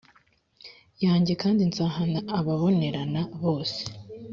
yanjye kandi nzahana abababonerana bose